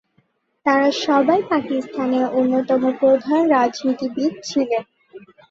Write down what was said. তাঁরা সবাই পাকিস্তানের অন্যতম প্রধান রাজনীতিবিদ ছিলেন।